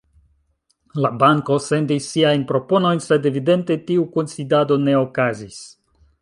La banko sendis siajn proponojn, sed evidente tiu kunsidado ne okazis.